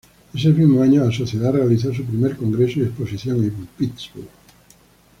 Ese mismo año, la Sociedad realizó su primer Congreso y Exposición en Pittsburg.